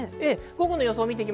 午後の予想です。